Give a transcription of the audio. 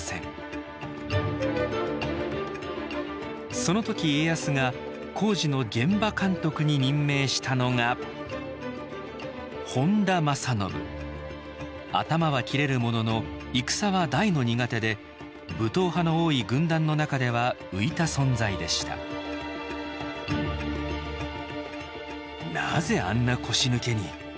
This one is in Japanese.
その時家康が工事の現場監督に任命したのが頭は切れるものの戦は大の苦手で武闘派の多い軍団の中では浮いた存在でした「なぜあんな腰抜けに」。